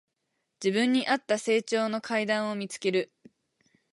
自分にあった成長の階段を見つける